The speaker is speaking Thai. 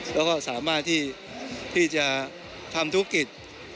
แล้วก็สามารถที่จะทำธุรกิจ